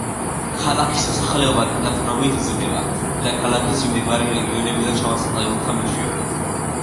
ქალაქის მოსახლეობა თანდათანობით იზრდება დედაქალაქის მიმდებარე რეგიონებიდან ჩამოსახლებულთა მეშვეობით.